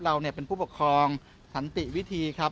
เราเป็นผู้ปกครองสันติวิธีครับ